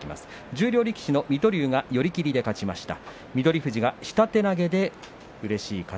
十両力士の水戸龍が寄り切りで勝ちました。